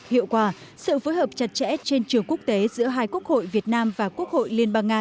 hiệu quả sự phối hợp chặt chẽ trên trường quốc tế giữa hai quốc hội việt nam và quốc hội liên bang nga